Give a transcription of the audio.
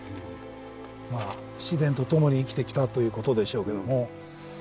まあ自然とともに生きてきたということでしょうけども。